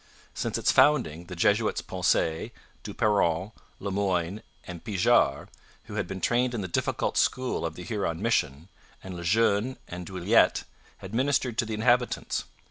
Since its founding the Jesuits Poncet, Du Peron, Le Moyne, and Pijart, who had been trained in the difficult school of the Huron mission, and Le Jeune and Druillettes, had ministered to the inhabitants.